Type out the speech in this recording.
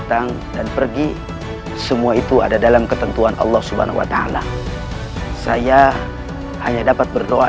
jangan mimpi kalian yang seharusnya tunduk